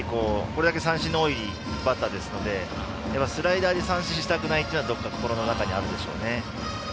これだけ三振の多いバッターですからスライダーで三振をしたくないというのは心の中にあるでしょうね。